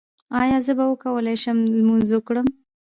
ایا زه به وکولی شم لمونځ وکړم؟